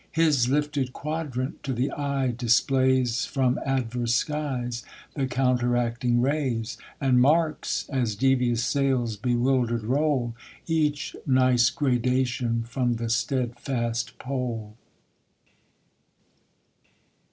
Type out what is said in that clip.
His lifted quadrant to the eye displays From adverse skies the counteractiuir rays : y And marks, as devious sails bewildcr'd roll, "Each nice gradation from the stedfast pole.